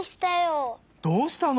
どうしたの？